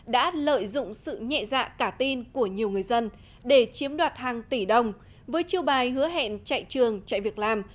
đã lợi dụng sự nhẹ dạ cả tin của nhiều người dân để chiếm đoạt hàng tỷ đồng với chiêu bài hứa hẹn chạy trường chạy việc làm